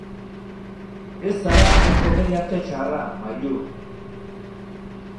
Ez zara hain komediante txarra, Mailu.